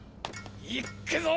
いっくぞ！